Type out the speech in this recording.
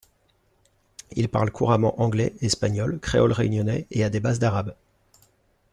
Il parle couramment anglais, espagnol, créole réunionnais et a des bases d'arabe.